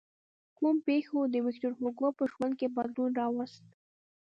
کومو پېښو د ویکتور هوګو په ژوند کې بدلون راوست.